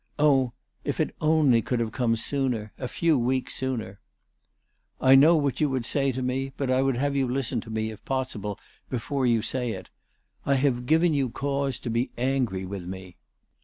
Oh, if it only could have come sooner, a few weeks sooner !" I know what you would say to me, but I would have you listen to me, if possible, before you say it. I have given you cause to be angry with me."